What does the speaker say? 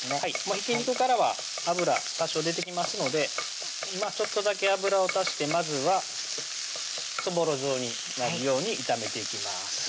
ひき肉からは脂多少出てきますので今ちょっとだけ油を足してまずはそぼろ状になるように炒めていきます